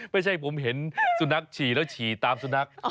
ไม่ใช่ผมเห็นสุนัขฉี่แล้วฉี่ตามสุนัข